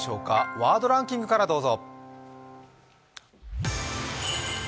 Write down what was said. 「ワードランキング」からどうぞ。